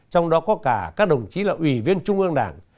trong đó có cả các đồng chí là ủy viên trung ương đảng